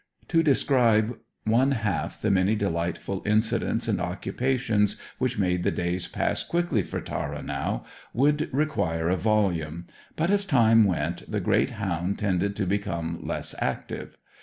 To describe one half the many delightful incidents and occupations which made the days pass quickly for Tara now, would require a volume; but as time went the great hound tended to become less active.